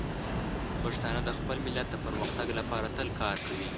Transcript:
پښتانه د خپل ملت د پرمختګ لپاره تل کار کوي.